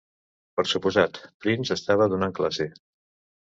Per suposat, Prince estava donant classe.